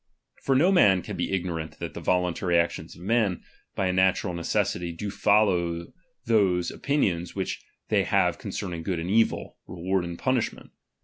^| For no man can be ignorant that the voluntary ^H actions of men, by a natural necessity, do follow ^H those opinions which they have concerning good ^H and evil, reward and punishment.